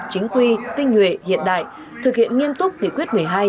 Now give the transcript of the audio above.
chính quy tinh nguyện hiện đại thực hiện nghiêm túc nghị quyết một mươi hai